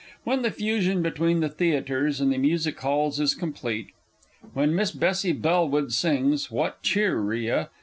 When the fusion between the Theatres and the Music Halls is complete when Miss Bessie Bellwood sings "_What Cheer, 'Ria?